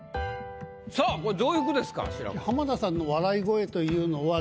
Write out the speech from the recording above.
さぁこれどういう句ですか？